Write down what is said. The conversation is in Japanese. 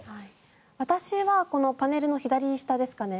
私はこのパネルの左下ですかね。